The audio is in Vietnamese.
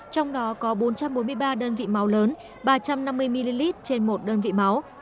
trong đó có bốn trăm bốn mươi ba đơn vị máu lớn ba trăm năm mươi ml trên một đơn vị máu